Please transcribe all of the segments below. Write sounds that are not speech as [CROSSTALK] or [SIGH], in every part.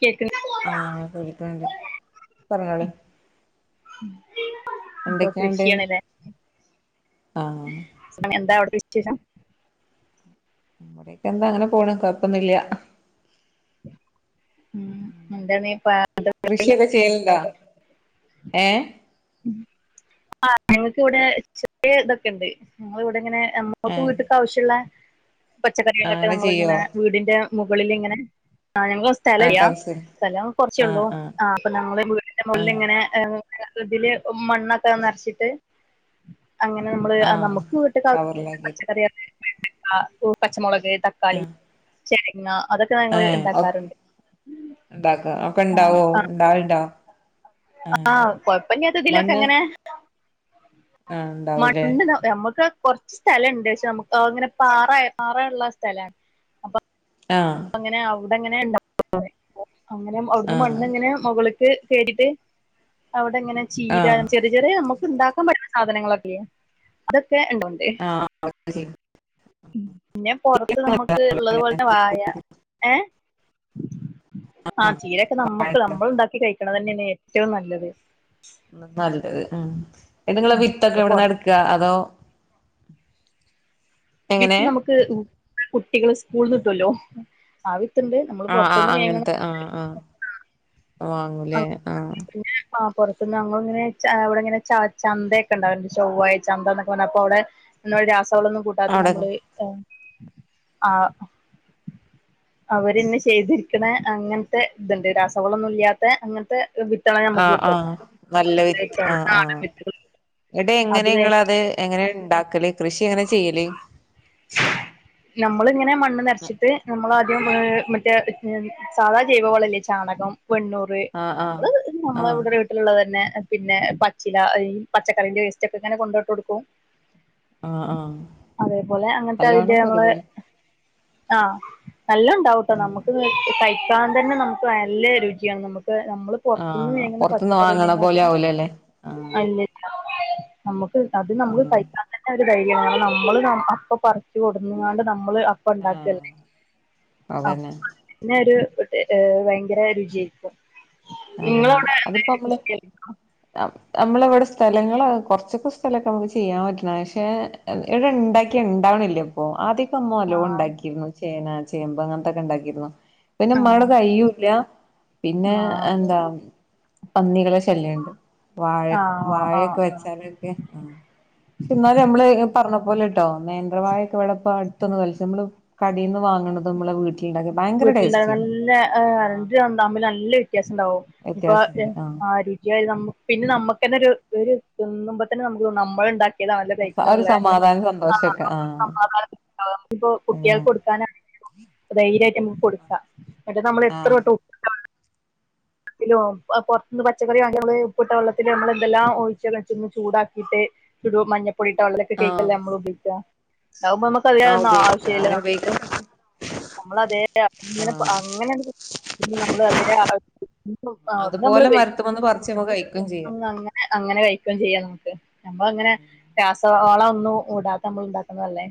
കേക്ക്ണ് ആഹ് കേൾക്ക്ണ്ട് പറഞ്ഞോളി [UNINTELLIGIBLE] ഒ എന്തൊക്കെയുണ്ട് കൃഷിയാണല്ലേ, ആഹ് എന്താ അവിടെ [UNINTELLIGIBLE] [UNINTELLIGIBLE] എന്താണ് പോണ് കത്തണില്ല. ഉം എന്താണ് പ കൃഷിയൊക്കെ ചെയ്യലണ്ടാ ഏ ഉം ആ ഞങ്ങക്കിവിടെ ചെറിയ ഇതൊക്കെ ഉണ്ട്, ഞങ്ങൾ ഇവിടെ ഇങ്ങനെ ഞമ്മക്ക് ഏഹ് പൂവിത്തിട്ട് ആവശ്യമുള്ള പച്ചക്കറികളൊക്കെ അങ്ങനെ നമ്മൾ ചെയ്യോ ഇങ്ങനെ ആഹ് വീടിന്റെ മുകളിലിങ്ങനെ ആ ഞങ്ങക്ക് സ്ഥലം ഇല്യ ടെറസിൽ സ്ഥലം കുറച്ചേള്ളൂ ആഹ് ആഹ് ആ അപ്പൊ ഞങ്ങൾ വീടിന്റെ മുകളിൽ ആഹ് ഇങ്ങനെ ഇതില് മണ്ണൊക്കെ നിറച്ചിട്ട് അങ്ങനെ നമ്മള് ആഹ് നമുക്ക് വീട്ടക്ക് ആ കവറിലാക്കി പച്ചക്കറി [INAUDIBLE] ആ ഈ പച്ചമൊളക് തക്കാളി ചെരങ്ങാ ഏ ഒക്ക് ഇണ്ടാക്കാ [INAUDIBLE] ഇണ്ടാവോ ഉണ്ടാവണ്ടാ ആഹ് കൊഴപ്പല്യാത്തതിലൊക്കെ മണ്ണ് ങ്ങനെ ആഹ് ഉണ്ടാവൂലേ മണ്ണ്ണ യമ്മക്ക് കൊർച്ച് സ്ഥലണ്ട് ക്ഷെ മക് ങ്ങനെ പാറെ പാറള്ള സ്ഥലാണ് അപ്പൊ ആ ഇവിടെങ്ങനെ [INAUDIBLE] അങ്ങനെ അവിട്ന്ന് ആഹ് മണ്ണ്ങ്ങനെ മൊകളി ക്ക് കേട്ടിട്ട് അവ് തങ്ങനെ ചീര ആഹ് ചെറിയ ചെറിയ അമ്മ ക്ക്ണ്ടാക്കാ പ [INAUDIBLE] സാധനങ്ങളൊക്കെല്യേ ക്കെ ഇണ്ടോണ്ട് പിന്നെ പൊറത്ത് നമ്മക്ക് ള്ളത് ആഹ് പോൽത്തെ വാഴ ഏ ആ ചീരൊക്കെ നമ്മക്ക് നമ്മളുണ്ടാക്കി കഴി ക്ക്‌ണെതെന്നെണ് ഏറ്റവും നല്ലത് ന്ന്പല്ലത് ഉം ഇത്ങ്ങള് വിത്തൊക്കെ എവിട്ന്നാ പുറത്ത് എട്കാ അതോ എങ്ങനെ വിത്ത് നമുക്ക് ഉ കുട്ടികള് സ്കൂൾന്ന് കിട്ടോല്ലോ ആ വി ആഹ് ആഹ് അങ്ങൻത്തെ ആഹ് ആഹ് വാങ്ങുലേ പിന്നെ ആ പുറത്തുനിന്ന് ഞങ്ങള് ഇങ്ങനെ ഇ വിടെ ഇങ്ങനെ ചന്തയൊക്കെ ഉണ്ടാവില്ലെ ചൊവ്വാഴ്ച്ച ചന്ത എന്നൊക്കെ പറഞ്ഞ് അപ്പൊ അവിടെ ന്ന കൂട്ടാത്ത അവിടെ നമ്മള് ആ അവര്ന്ന് ചെയ്തിരികണെ അങ്ങനത്തെ ഇതുണ്ട് രാസവളൊന്നും ഇല്ലാത്ത അങ്ങനത്തെ വിത്തള ആ നമുക്ക് ആ കിട്ടും നല്ല വിത്ത് ആ ആ നാടൻ വിത്തുകൾ ഇങ്ങട്ട് എങ്ങനെ നിങ്ങള് അത് എങ്ങനെ ഇണ്ടാക്കല് നമ്മളിങ്ങനെ മണ്ണ് നിറച്ചിട്ട് നമ്മൾ ആദ്യം മറ്റേ സാധാ ജൈവവളല്ലേ ചാണകം വെണ്ണൂറ് ആഹ് ആഹ് നമ്മള് നമ്മളെ ആഹ് ഇവിടെ വീട്ടിലുള്ളത് തന്നെ പിന്നെ പച്ചില പച്ചക്കറീന്റെ വേസ്റ്റ് ഒക്കെ ഇങ്ങനെ കൊണ്ടോട്ട് കൊടുക്കും ആഹ് ആഹ് അതേപോലെ അങ്ങനത്തെ അതിന്റെ നല്ലോണം ഞമ്മള് പരിപാലി ആഹ് നല്ല ഉണ്ടാവുട്ടൊ ആഹ് നമുക്ക് തയ്യി താൻ തന്നെ നമുക്ക് നല്ല രുചിയാണ് നമുക്ക് നമ്മള് പുറത്തുന്ന് ആഹ് വാങ്ങുന്ന പുറത്തുന്ന് വാങ്ങണ പോലെ പച്ചക്കറിനെകാട്ടിം ആവൂലല്ലേ ആഹ് അല്ലെ നമുക്ക് അത് നമ്മുക്ക് ആഹ് കഴിക്കാൻ തന്നെ [INAUDIBLE] നമ്മള് അപ്പൊ പറിച്ചു കൊടുന്നോണ്ട്മ്മ നമ്മള് അപ്പ ആഹ് ഉണ്ടാക്കല്ലെ അതന്നെ പിന്നെ ഒരു ഭയങ്കര രുചിയാരിക്കും ആ അതിപ്പോ നമ്മള് കൃഷിയായിരുന്നോ നമ്മളവിടെ സ്ഥല ലങ്ങള് കൊറച്ചൊക്കെ സ്ഥലമൊക്കെ നമുക്ക് ചെയ്യാൻ പറ്റുന്നതാ പക്ഷെ ഇവിടെ ഉണ്ടാക്കിയാ ഉണ്ടാവണില്ല്യ ഓ ആദ്യക്കെ മ്മ നല്ലോ ആഹ് ഉണ്ടാക്കിയിരുന്നു ചേന ചേമ്പ് അങ്ങനത്തൊക്കെ ഉണ്ടാക്കിരുന്നു പിന്നെ ആഹ് മ്മള് കഴിയൂല്ല പിന്നെ ആഹ് അപ്പൊ എന്താ പന്നികളെ ശല്യമുണ്ട് വാഴ ആഹ് ആഹ് വാഴയൊക്കെ ആഹ് വെച്ചാലൊക്കെ ആ പക്ഷെ എന്നാല് നമ്മള് പറഞ്ഞ പോലെ ഇ ട്ടോ നേന്ത്രവായക്കെ ഇവടപ്പോ അടുത്തൊന്ന് കൊലച്ച് മ്മളള് കടേന്ന് വാങ്ങണതും മ്മള് വീട്ടി വീട്ടിലിണ്ടായ നല്ല എ ആഹ് രണ്ടും തമ്മില് നല്ല വ്യത്യാസം ഇണ്ടാവും ഇപ്പൊ എ് വ്യത്യാസണ്ട് ആഹ് ആ രുചിയായത് തമ്മിൽ പിന്നെ നമ്മ ക്ക് ന്നെരു ഒരു ഉണ്ണുമ്പോ തന്നെ നമുക്ക് തോന്നുംനമ്മള് ഉണ്ടാ ക്കിത് അവൻ്റെ പ്ലേറ്റില് ഒരു നല്ല സമാധാനം സന്തോഷൊക്കെ ആഹ് [UNINTELLIGIBLE] ഉം ത്പ്പോകുട്ടികൾക്ക് കൊടുക്കാനാണെങ്കിലും ധൈര്യായിട്ട് ന്നെ കൊടുക്കാം മറ്റേത് നമ്മള് എത്ര ആഹ് കൊടുത്താലും ത്തിലും അ പൊറത്തുന്ന് പച്ചക്കറി വാങ്ങി ഞമ്മള് ഉപ്പിട്ട വെള്ളത്തില് മ്മള് എന്തെല്ലാം ഒഴിച്ച് കഴിച്ച് ചൂടാക്കിട്ട് ഒരു മഞ്ഞ പൊടീട്ട വെള്ളത്തി കെയ്കില്ലേ ആഹ് ഞമ്മള് ഉപയോഗിക്ക ഇതാവുമ്പോ മ്മക്ക് അതിലേ ആഹ് ഒന്നും ഉപയോഗിക്ക ആവശ്യല്ല അങ്ങനെ ഉപയോഗിക്കാം നമ്മള് അതേ അതങ്ങനെ ആഹ് അങ്ങനെണ്ട് നമ്മള് അതേ ആ ഒന്നു നമ്മള് അതുപോലെ വേവി മരത്തുമന്ന് പറിച്ച് നമ്മ കഴിക്കുകയും ഉം ചെയ്യാം അങ്ങനെ അങ്ങനെ കഴിക്കും ചെയ്യാന്നു ഉം ക്ക് ഞമ്മള് അങ്ങനെ രാസവവള ഒന്നും ഉടാത്ത മ്മള് ഇണ്ടാക്കുന്നതല്ലേ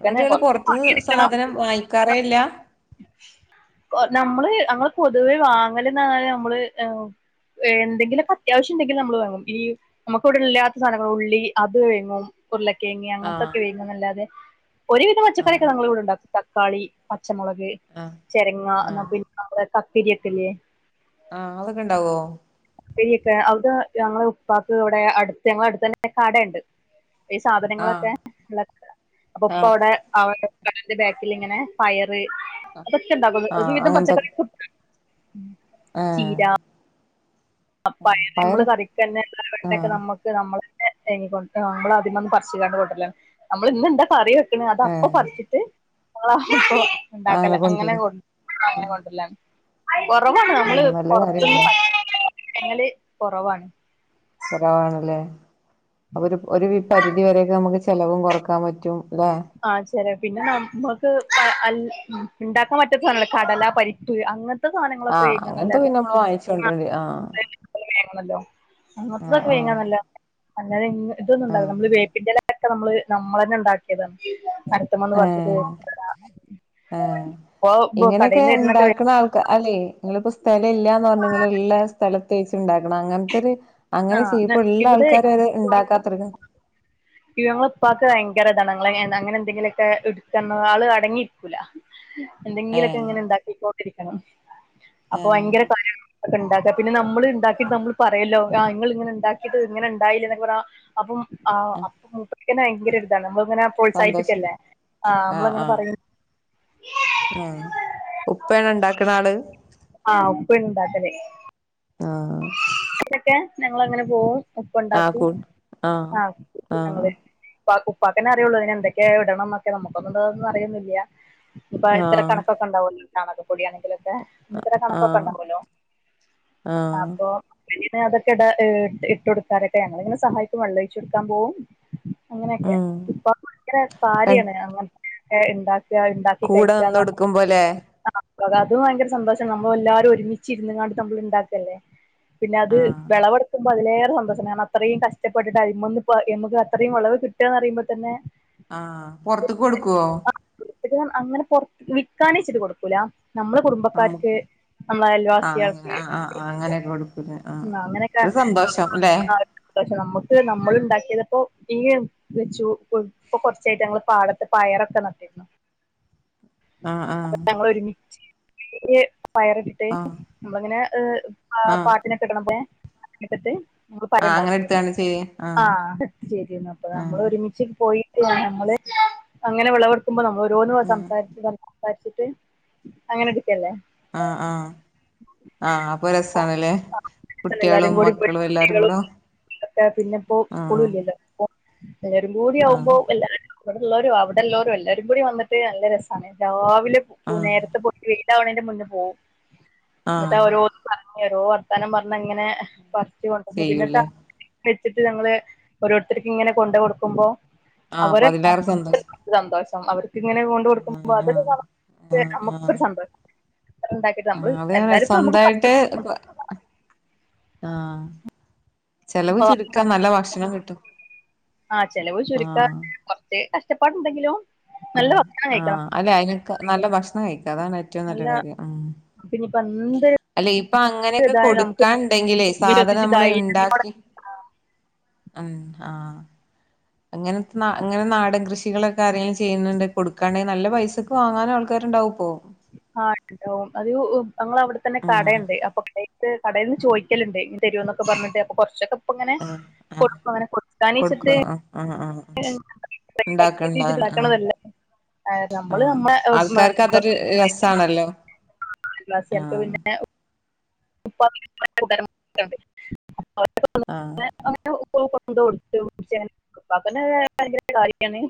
ഇന്നിട്ട്ങ്ങള് പൊറത്തന്ന് സാധനം വാങ്ങിക്കാറേ ഇല്ല കൊ- നമ്മള് ഞങ്ങള് പൊ തുവേ വാങ്ങല് നാ ഞമ്മള് എ് എന്തെങ്കിലുക്കെ അത്യാവശ്യം ഉണ്ടെങ്കി നമ്മള് വാങ്ങും ഈ നമുക്ക് ഇവിടെ ഇല്ലാത്ത സാധനങ്ങൾ ഉള്ളി അത് വേങ്ങും ഉരുളക്കെയങ്ങ് ആഹ് അങ്ങനത്തൊക്കെ വേങ്ങും നല്ലാതെ ഒരുവിധം ആഹ് പച്ചക്കറിക്കെ നമ്മള് ഇവടെ ഇണ്ടാക്കും തക്കാളി പ പച്ചമുളക് ആഹ് ചെരങ്ങ എന്നാ ആഹ് പിന്നെ നമ്മള് കക്കിരി ഒക്കെല്ല്യേ ആഹ് അതൊക്കെ ഇണ്ടാവോ തൈയൊക്കെ അത് ഞങ്ങള് ഉപ്പാക്ക് ഇവിടെ അടുത്ത് ഞങ്ങള അടുത്തന്നെ കടെണ്ട് ഈ ആഹ് സാധനങ്ങളൊക്കെ ഉള്ള അപ്പോ ഉപ്പ ആഹ് അവടെ [UNINTELLIGIBLE] കടെന്റെ ബാക്കിലിങ്ങനെ പയ പയറ് അതൊക്കെ ഇണ്ടാകും ഒരുവിധം അങ്ങനത്തെ പച്ചക്കറിക്കെ ഉം ആഹ് അപ്പ [UNINTELLIGIBLE] പയറ് കറിക്കെന്നെ ഉള്ള വെണ്ടക്കെ ആഹ് നമ്മുക്ക് നമ്മള് [UNINTELLIGIBLE] അ നമ്മള് അതിമ്ന്ന് പറിച്ചികാണ്ട് കൊണ്ടരലാ നമ്മള് ഇന്ന് എന്താ കറിവെ വെക്കണ് അത് അപ്പൊ ഏഹ് പറിച്ചിട്ട് [INAUDIBLE] ഉണ്ടാക്കല അങ്ങനെ കൊറവാണ് നമ്മള് ആഹ് നല്ല പുറത്തുന്നു കാര്യല്ലേ ഞങ്ങള് കൊറവാണ് കുറവണല്ലേ ഒരു പരിധി വരെയൊക്കെ നമുക്ക് ചെലവും കൊറക്കാൻ പറ്റും. ല്ലേ? ചെല പിന്നെ നമ്മുക്ക് അൽ ഇ ണ്ടാക്കാൻ പറ്റാത്ത സാധനങ്ങളെ കടല, പരിപ്പ് അങ്ങ ആഹ് അങ്ങനത്തെ പിന്നെ നമ്മള് വാങ്ങിച് [UNINTELLIGIBLE] ആഹ് ആണല്ലോ. അങ്ങനത്തതൊക്കെ ആഹ് വേങ്ങാനല്ലാ ആഹ് അല്ലതെ ഇങ്ങ് ഇതൊന്നുണ്ടാവില്ല നമ്മള് ആഹ് വേപ്പിന്റെല ക്കെ നമ്മള് നമ്മളന്നെ ഒണ്ടാക്കിയതാണ്. അടുത്ത മന്ന് പറിച്ചിട്ട് ഏഹ് ഏഹ് [UNINTELLIGIBLE] കടേന്ന് വരുന്നത് അല്ലേ? ങ്ങളിപ്പോ സ്ഥലം ഇല്ലാന്ന് പറഞ്ഞ് നിങ്ങള് ഇള്ള സ്ഥല [UNINTELLIGIBLE] അങ്ങനത്തെരു ആ അങ്ങനെ ന- [UNINTELLIGIBLE] ഇള്ള ഇവിടെ ആൾക്കാര് വരെ ഇണ്ടാക്കാത്തൊരു കാലാ ഞങ്ങളെ ഇപ്പാക്ക് ഭയങ്കര ഇതാണ്. അങ്ങനെ എന്തെങ്കിലുമൊക്കെ എടുക്കണ ആള് അടങ്ങിയിരിക്കൂല. എന്തെങ്കിലൊക്കെ ഏഹ് ഇങ്ങനെ ഇ ണ്ടാക്കൊണ്ടിരിക്കും. [UNINTELLIGIBLE] അപ്പൊ ഏഹ് ഭയങ്കര കാര്യാ ക്കുണ്ടാക്കാ പിന്നെ നമ്മള് ഇണ്ടാക്കിട്ട് നമ്മള് പറയല്ലോ ആ ങ്ങള് ഇങ്ങനെ ഇണ്ടാക്കിട്ട് ഇങ്ങനെ ഇണ്ടായില്ലേ എന്നൊക്കെ പറ അപ്പം ആഹ് ആഹ്‌ എനിക്കന്നെ ഭയങ്കര ഇതാണ് അങ്ങനെ സന്തോഷം പ്രോത്സാഹിപ്പിക്കല്ലേ ആ നമ്മളങ്ങനെ പറയും ആഹ്‌ ഉപ്പയാണോ ഇണ്ടാക്കണ ആള് ആഹ് ഉപ്പ ഇണ്ടാക്കല് ആഹ്‌ ക്കെ ഞങ്ങളങ്ങനെ പോവും ഉപ്പ ആ ഉണ്ടാക്കും കു ആഹ്‌ ആഹ്‌ ഉപ്പാക്ക്‌ ഉപ്പാക്കന്നെ അറിയുള്ളൂ അതിനെ എന്തൊക്കെയാ ഇടണം എന്നൊക്കെ നമുക്കൊന്നുംത് ന്ന് അറിയുന്നില്ല ഇപ്പൊ ഇത്ര ആഹ് കണക്കൊക്കെ ഇണ്ടാവല്ലോ [UNINTELLIGIBLE] പൊടിയാണെങ്കിലൊക്കെ ഇന്ന ഇത്ര കണക്കൊക്കെ ആഹ് ഉണ്ടാവല്ലോ ആഹ് അപ്പൊ പിന്നെ അതൊക്കെ ഇട് ഇട്ട് കൊടുക്കനൊക്കെ ഞങ്ങൾ ഇങ്ങനെ സഹായിക്കും വെള്ളം ഒഴിച്ചടുക്കാൻ പോവും അങ്ങനെക്കെ ഉം ഇപ്പ ഭയങ്കര ക [UNINTELLIGIBLE] എന്താ കൂടെ നിന്ന് കൊടുക്കുമ്പോലെ അ അതും ഭയങ്കര സന്തോഷം നമ്മൾ എല്ലാരും ഒരുമിച് ഇരുന്നാണ്ട് നമ്മൾണ്ടാ അല്ലെ പിന്നെ അത് ആഹ് വെളവെടുക്കുമ്പോ അതിലെ സന്തോഷം മാം അത്രയും കഷ്ടപ്പെട്ടിട്ട് അതിമന്ന് എമുക്ക് അത്രയും ഉളവ് കിട്ടുകന്ന് പറയുമ്പോ തന്നെ ആ പൊറത്ക്ക് കൊടുക്കുവോ [UNINTELLIGIBLE] അങ്ങനെ പെറത്ത് വിൽക്കാനേച്ചിട്ട കൊടുക്കൂല നമ്മളെ നമു കുടുംബക്കാരിക്ക് നമ്മളെ ആഹ് അങ്ങനെ അയൽവാസികൾക്ക് ആഹ് ആഹ് ആഹ് അങ്ങനെയൊക്കെ കൊടുക്കൂലേ ആഹ് മ്അ അങ്ങനെയൊക്കെ ഒരു സന്തോഷം അല്ലെ [UNINTELLIGIBLE] നമ്മുക്ക് നമ്മൾ ഉണ്ടാക്കിയതിപ്പോ [UNINTELLIGIBLE] ഇപ്പൊ കൊറച്ചായിട്ട് ഞങ്ങള് പാടത്ത് പയറൊക്കെ നട്ടിരുന്നു ആഹ് അപ്പ ആഹ് ഞങ്ങളോരുമിച്ച് [INAUDIBLE] പയർ ഇട്ടട്ട് ആഹ് നമ്മള്ങ്ങനെ ഹ ആ ആഹ് പാട്ടിനെ കിണം ഏ [UNINTELLIGIBLE] മ്മള് പരം ആഹ് അങ്ങനെ ഉണ്ടാക്കിരുന്നു എടുത്താണ് ചെയ്യ ആ ആഹ് ശെരിയെന്ന അപ്പോ ആഹ് നമ്മളോരുമിച്ച് പോയി [UNINTELLIGIBLE] നമ്മള് അങ്ങനെ വിളവെടുക്കുമ്പോൾ നമ്മ ഓരോന്ന് ആഹ് സംസാരിച്ച് സംസാ പരിച്ചിട്ട് അങ്ങനെ എടുക്കല്ലേ ആ ആഹ് ആ അപ്പൊ രസ ത്തകലേ എല്ലാരും കുട്ടികളും കൂടി പോയി മക്കളും എല്ലാരും കൂട കുട്ടികളും ആ [UNINTELLIGIBLE] എല്ലാവരും കൂടി ആവുമ്പോ എല്ലാരും ഇവിടെള്ളോരും അവിടെള്ളോരും എല്ലാവരും കൂടി വന്നിട്ട് നല്ല രസാണ് എല്ലാ പോലും പൂ ആഹ് നേരത്തെ പോയിട്ട് ഇതാവണന്റെ മുന്നേ പോവും ആഹ് എന്നിട്ടവരോട് പറഞ്ഞ് ഏരോ വർത്താനം പറഞ്ഞിങ്ങനെ ഫസ്റ്റ് കൊണ്ടുവന്ന്‌ പിന്നെത്ത ചെയ്യൂല്ലേ വെച്ചിട്ട് ഞങ്ങള് ഓരോരുത്തര്ക്ക് ഇങ്ങനെ കൊണ്ട് കൊടുക്കുമ്പോ ആഹ് അപ്പൊ അവരെ അതിലേറെ സന്തോഷം [UNINTELLIGIBLE] തന്തോഷ് അവര് ഇങ്ങനെ കൊണ്ട്കൊടുക്കുമ്പോ ആഹ് ആഹ് അതൊരു നമുക്ക് നമുക്കൊരു സന്തോഷം അത്ര ഉണ്ടാക്കിയിട്ട് ആ നമ്മള് അതെ അതെ എന്തായാലും ഇപ്പൊ നമുക്ക് പൈസ സ്വന്തായിട്ട് കൊ ആഹ് ചെലവ് ചുരുക്കാൻ നല്ല ഭക്ഷണം കിട്ടും ആഹ് ചെലവ് ചുരുക്കാന് ആഹ് കൊറച്ച് കഷ്ടപ്പാട് ണ്ടെങ്കിലോ ആഹ് ആഹ് അല്ലെ എനിക്ക് നല്ല ഭക്ഷണം കഴിക്കാം അതാണ് ഏറ്റവും നല്ല കാര്യം ഉം പിന്നിപ്പോ എന്ത് അല്ലെ ഇപ്പൊ അങ്ങനെയൊക്കെ ഇതായാലും നമുക്ക് കൊടുക്കാനുണ്ടെങ്കിലേ സാധനം വിശ്വസിച്ച് നമ്മള് ധൈര്യം ഇണ്ടാക്കി അം ആ അങ്ങനത്തെ നാ അങ്ങനെ നാടൻ കൃഷികളൊക്കെ ആരെലും ചെയ്യുന്നുണ്ട് കൊടുക്കാണെ നല്ല പൈസക്ക് വാങ്ങാന് ആൾക്കാരുണ്ടാവും പ്പോ ആഹ് ഇണ്ടാവും അത് ഉ ഞങ്ങള് അവിടെത്തന്നെ ഉം കടയണ്ട് അപ്പ കടെ ത് കടേന്ന് ചോദിക്കലുണ്ട് ഇനി തര്വോന്നൊക്കെ പറഞ്ഞിട്ട് അപ്പൊ കൊറച്ചൊക്കെ ഇപ്പിങ്ങനെ ആഹ് ആഹ് കൊടുക്കും അങ്ങനെ കൊടുക്കും കൊടുക്കാന്ച്ച്ട്ട് ആഹ് ആഹ് ആഹ് [UNINTELLIGIBLE] ഉണ്ടാക്കണ്ടാണ് ആഹ് ണ്ടാക്കണതല്ലേ നമ്മള് ആഹ് നമ്മ ആൾക്കാർക്ക് അതൊരു രസാണല്ലോ [UNINTELLIGIBLE] പ്രവാസികൾക്ക് ആഹ് പിന്നെ [UNINTELLIGIBLE] [UNINTELLIGIBLE] [UNINTELLIGIBLE] ആഹ് ഭയങ്കര കാര്യയാണ്.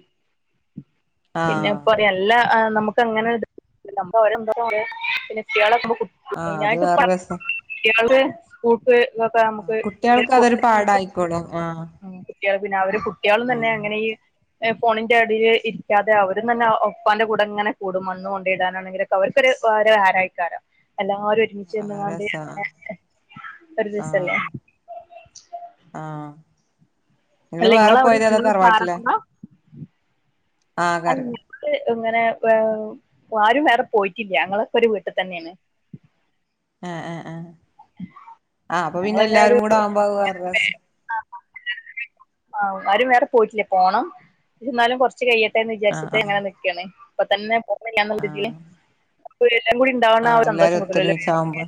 പിന്നെ ആഹ് പറയും എല്ലാം ആ നമുക്ക് അങ്ങനെ എടു നമുക്ക് അവരെ എന്തോരം പറയാം പിന്നെ കുട്ടികളൊക്കെ. ആഹ് അത് വേറൊരു രസം കുട്ടികളുടെ കൂട്ട്. ആഹ് കുട്ടികൾക്ക് അതൊരു പാഠം ആയിക്കോളും. ആഹ് ട്ടികളെ പിന്നെ അവരെ കു കുട്ടികളെ തന്നെ ആഹ് അങ്ങനെ ഈ. ഫോണിന്റെ അടിയിലെ ഇരിക്കാതെ അവരും തന്നെ ഒപ്പാന്റെ കൂടെ ഇങ്ങനെ കൂടും മണ്ണ് കൊണ്ട് ഇടാനാണെങ്കിലൊക്കെ അവർക്കൊരു വേറെ വോരായിക്കാരം എല്ലാവരും. അതാ ഒരുമിച്ചങ്ങേണ്ട് അവനെ രസാ ഒരു ആഹ് ദിവസല്ലേ. ആഹ് നിങ്ങള് അല്ല വേറെ ഇങ്ങള് അവിടെ പോയത് അതോ സ്കൂൾ പാലക്കുളം. ആ കാര്യാ. ഇങ്ങനെ പേ ആരും വേറെ പോയിട്ടില്ല ഞങ്ങളൊക്കെരു വീട്ടി തന്നേണ് ആ ആ ആ ആ അപ്പൊ പിന്നെ ഞങ്ങളിങ്ങനെ ഒരു എല്ലാരും കൂടെ ആവുമ്പ അത് വേറെ രസ് ആ ആരും വേറെ പോയ്ട്ട്ല്യ പോണം ന്നാലും കൊ ർച്ച് കയ്യട്ടെന്ന് ആഹ് വിചാര്ച്ചിട്ട് ആഹ് ങ്ങനെ നിക്കാണ് അപ്പൊ തന്നെ ആഹ് [UNINTELLIGIBLE] ഒരു എല്ലാം കൂടി ഉണ്ടാവുന്ന ആ ആഹ് ഒരു എല്ലാരും സന്തോഷം കിട്ടൂലല്ലോ ഒത്തൊരുമിച്ചാവുമ്പോ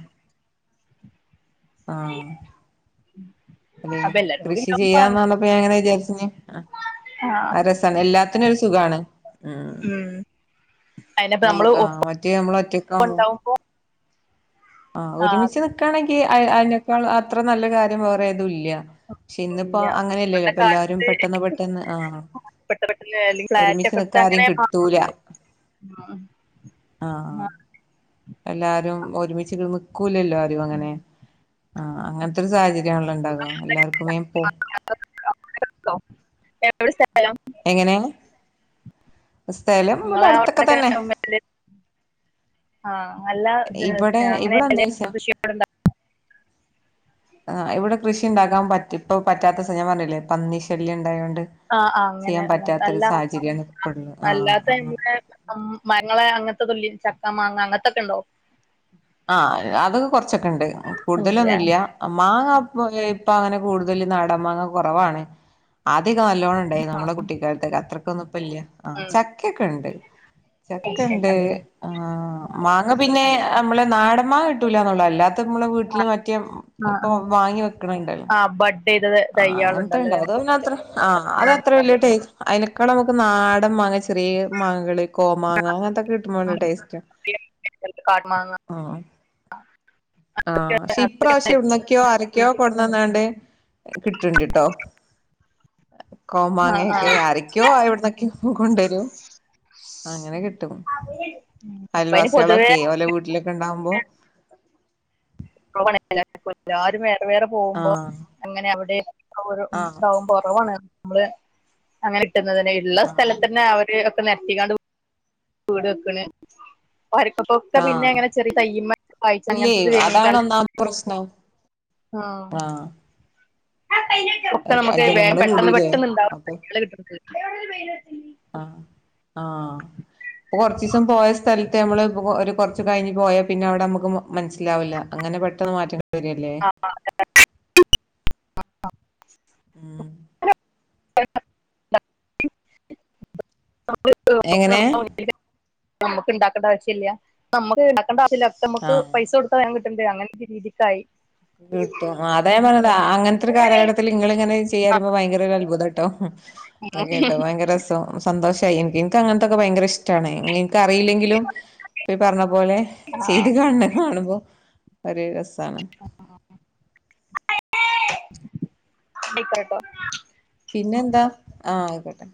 ആഹ് അെ അപ്പൊ എല്ലാരും കൂടി കൃഷി ഉണ്ടാവുമ്പോ ചെയ്യാന്നാണ്പ്പ എങ്ങനെ വിചാരിച്ച ആ അരസന എല്ലാത്തിനൊരു സുഖമാണ് ഉം നമുക്ക് മറ്റേ നമ്മള ഒറ്റ കൊണ്ട പോ ആഹ് ഒരുമിച്ച് നിക്കാണെങ്കിൽ അതിനേക്കാൾ അത്ര നല്ല കാര്യം വേറെ തും ഇല്ല പക്ഷെ ഇന്നിപ്പോ ഇല്ല അങ്ങനെയല്ലല്ലോ ഇപ്പത്തെ ഇപ്പൊ എല്ലാരും കാലത്ത് പെട്ടെന്ന് പെട്ടെന്ന് ആഹ് പെട്ടെന്ന് പെട്ടെന്ന് അല്ലെങ്കിൽ ഫ്ലാറ്റ് ഒരുമിച്ച് ഒക്കെ എടുത്ത് നിക്കാൻ ആരേം അങ്ങനെ കിട്ടൂല മാറുന്നുണ്ട് ആഹ് എല്ലാരും ഒരുമിച്ച് നിക്കും നില്കുലല്ലോ ആരും അങ്ങനെ ഉം ആഹ് അങ്ങനത്തെ ഒരു സാഹചര്യം ആണല്ലോ ഉണ്ടാവ ആ എല്ലാർക്കുമേ ഇപ്പോ കേട്ടോ [UNINTELLIGIBLE] എങ്ങനെയാണ് ബസ്തായാലും ഇവിടെ നിങ്ങളെ അടുത്തൊക്കെ തന്നെ ആഹ് നല്ല ഇവിടെ അങ്ങനെ ഇവിടെ വല എന്താച്ചാ കൃഷിയട്ണ്ട ആഹ് ഇവിടെ കൃഷി ഉണ്ടാക്കാൻ പറ്റ പറ്റാത്ത ഞാൻ പറഞ്ഞില്ലേ പന്നിശല്യം ഉണ്ടായോണ്ട് ആ ആ അങ്ങനെ ചെയ്യാൻ പറ്റാത്തൊരു അങ്ങനല്ല സാഹചര്യമാണ് ഇപ്പള്ളത് ആഹ് അല്ലാത്ത എ ആഹ് മാങ്ങകള അങ്ങനത്തേക്ക ഇല്ലേ ചക്ക മാങ്ങ അങ്ങനത്തൊക്കെ ഉണ്ടോ ആഹ് അത് ഒക്കെ കുറച്ചൊക്കെ ഉണ്ട് ഉണ്ടല്ലേ കൂടുതലൊന്നുമില്ല മാങ്ങ ഇപ്പൊ അങ്ങനെ കൂടുതൽ നാടൻ മാങ്ങ കുറവാണ് ആദ്യക്കെ നല്ലോണംണ്ടായ്ന്നു നമ്മളെ കുട്ടിക്കാല്ത്തകെ അത്രയ്ക്കൊന്നും ഇപ്പല്ല്യ ആ ഉം, ചക്കക്കെണ്ട് ചക്കണ്ട് കണ്ടില്ലേ ആ മാങ്ങ പിന്നെ വ്ളെ നാടംമാങ്ങ കിട്ടൂലാന്നാെള്ളു അല്ലാ ത് മ്മളെ വീട്ട്ല് മറ്റേ ആ ഇപ്പൊ ആ വാങ്ങി വെക്ക്ണണ്ടല്ലോ ആ ബഡ് ചെയ്തത് ആ തയ്യാളുണ്ടല്ലോ അങ്ങൻത്തെണ്ടാവും അതൊന്നും അത്ര ആ അത് അത്ര വല്യ ടേ അയ്ന ക്കണ നമ്ക്ക് നാടംമാങ്ങെ ചെറ്യേ മാങ്ങകൾ കോമാങ്ങ അങ്ങനത്തൊക്കെ കിട്ടുമ്പല്ല ടേസ്റ്റാ കാട്ടുമാങ്ങ ആ ആ ക്ഷെ അതൊക്കെ ഇപ്രാവശ്യം ഉണ്ടായിരുന്നു. എവ്ട്ന്നെക്കെയോ ആരെക്കെയോ കൊട് ന്നന്നാണ്ട് കിട്ട്ണ്ട്ട്ടോ ആ ആ കോമാങ്ങെയാെക്കെ ആരെക്കോ അ എവ്ട്ന്നെക്ക്യാേ കൊണ്ടരും അങ്ങനെ കിട്ടും ഉം. ഇപ്പൊ അതിന് പൊതുവേ അയൽവാസികളൊക്കേ ഓലെ വീട്ടിലൊക്കെണ്ടാവുമ്പോ ആ [UNINTELLIGIBLE] എ വേറെ പോകുമ്പോ ആഹ് അങ്ങനെ അവിടെ [UNINTELLIGIBLE] ആഹ് ഇതാവും കൊറവാണ് നമ്മള് അങ്ങനെ തരുന്നത് തന്നെ ഇള്ള ആഹ് സ്ഥലത്തന്നെ അവര് നെരത്തിക്കാണ്ട് വീട് വെക്കണ്. ഒരക്കപ്പൊക്കെ പിന്നെ ആഹ് അങ്ങനെ ചെറിയ തയ്യമ്മ വായിച്ച് ഇല്ലേ അങ്ങനത്തത് അതാണ് [UNINTELLIGIBLE] ഒന്നാമത്തെ പ്രശ്നം ആ ഒക്കെ നമുക്ക് വേഗം ജനങ്ങള് പെട്ടെന്ന് കൂടില്ലേ പെട്ടന്ന് ഉണ്ടാവും അപ്പൊ ആ ഇപ്പൊ കൊറച്ച് ദിവസം പോയ സ്ഥലത്ത് നമ്മള് ഒരു കുറച്ച് കഴിഞ്ഞ് പോയാ പിന്നെ അവിടെ നമുക്ക് മനസ്സിലാവില്ല അങ്ങനെ പെട്ടെന്ന് മാറ്റി [UNINTELLIGIBLE] ആ ഉം എങ്ങനെ [UNINTELLIGIBLE] നമ്മക്ക് ഇണ്ടാക്കണ്ട ആവശൃല്ലാ നമ്മക്ക് ഞാൻ പറഞ്ഞില്ലേ നമുക്ക് ആഹ് പൈസ കൊടുത്ത വേഗം കിട്ട് എന്തെ അങ്ങനത്തെ രീതിക്കായി കിട്ടും അതാ ഞാൻ പറഞ്ഞത് അങ്ങനത്തെ ഒരു കാലഘട്ടത്തിൽ നിങ്ങള് ഇങ്ങനെ ചെയ്യാരുമ്പോ ഭയങ്കര അത്ഭുത ട്ടോ കേട്ടോ ഭയങ്കര രസം സന്തോഷ് കയ്യും ഇൻക്ക് അങ്ങൻതൊക്കെ ഭയങ്കര ഇഷ്ട്ടാണ് ഞ് ൻക്ക് അറിയില്ലെങ്കിലും ഇപ്പോ ഈ പറഞ്ഞ പോലെ ചെയ്ത് കാണത് കാണുമ്പോ- അരെ അസ് താണ് ഇപ്പരട്ടോ പിന്നെ എന്താ ആഹ് ആയിക്കോട്ടെ